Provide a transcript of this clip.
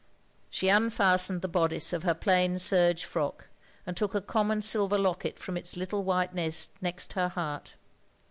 She tmfastened the bodice of her plain serge frock, and took a common silver locket from its little white nest next her heart.